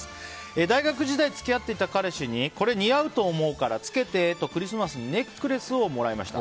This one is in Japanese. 大学時代、付き合っていた彼氏にこれ、似合うと思うから着けてとクリスマスにネックレスをもらいました。